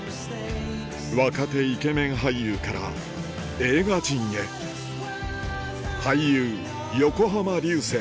若手イケメン俳優から映画人へ俳優横浜流星